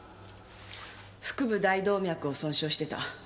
腹部大動脈を損傷してた。